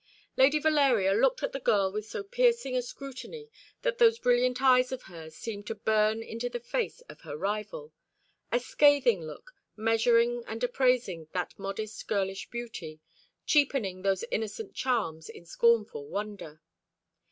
Lady Valeria looked at the girl with so piercing a scrutiny that those brilliant eyes of hers seemed to burn into the face of her rival a scathing look, measuring and appraising that modest girlish beauty, cheapening those innocent charms in scornful wonder.